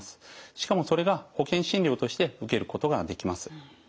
しかもそれが保険診療として受けることができます。